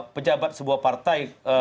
pejabat sebuah partai